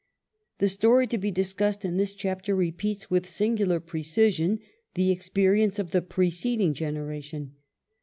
The story to be disclosed in this chapter repeats with singular precision the experience of the preceding generation.